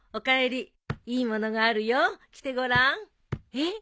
えっ。